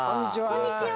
こんにちは。